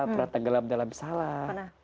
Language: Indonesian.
pernah tenggelam dalam salah